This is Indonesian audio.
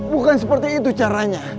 bukan seperti itu caranya